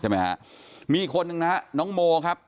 มีอีกคนนึงนะน้องโมครับ